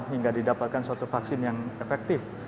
hingga didapatkan suatu vaksin yang efektif